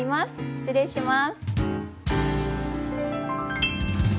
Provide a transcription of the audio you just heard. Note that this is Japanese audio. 失礼します。